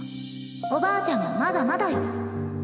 おばあちゃんもまだまだよ